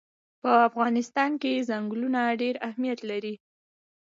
په افغانستان کې ځنګلونه ډېر اهمیت لري.